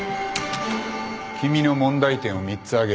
君の問題点を３つ挙げる。